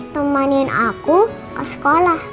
temanin aku ke sekolah